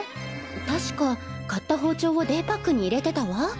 たしか買った包丁をデイパックに入れてたわ。